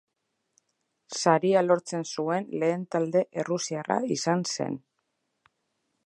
Saria lortzen zuen lehen talde errusiarra izan zen.